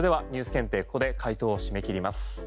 検定回答を締め切ります。